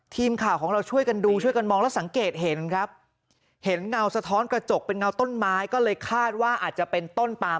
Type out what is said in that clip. ทีมข่าวของเราช่วยกันดูช่วยกันมองแล้วสังเกตเห็นครับเห็นเงาสะท้อนกระจกเป็นเงาต้นไม้ก็เลยคาดว่าอาจจะเป็นต้นปาม